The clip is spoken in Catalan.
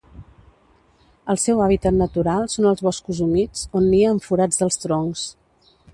El seu hàbitat natural són els boscos humits, on nia en forats dels troncs.